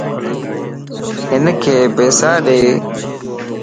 ھنک پيسا ڏي